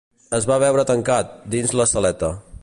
Es va veure tancat, dins la saleta